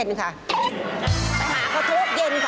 ไปหาเขาทุกเย็นค่ะ